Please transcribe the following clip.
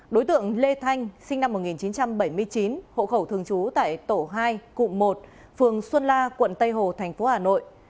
đối tượng lê thanh sinh năm một nghìn chín trăm bảy mươi chín hộ khẩu thường trú tại tổ hai cụm một phường xuân la quận tây hồ thành phố hà nội